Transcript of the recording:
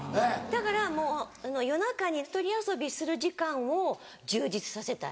だからもう夜中に１人遊びする時間を充実させたい。